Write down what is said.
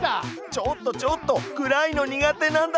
ちょっとちょっと暗いの苦手なんだけど！